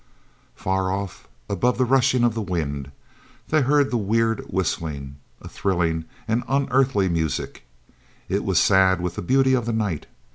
Far off, above the rushing of the wind, they heard the weird whistling, a thrilling and unearthly music. It was sad with the beauty of the night.